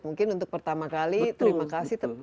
mungkin untuk pertama kali terima kasih